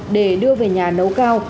để đưa về nhà nấu cao